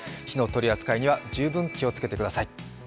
火の取り扱いには十分、気をつけてください。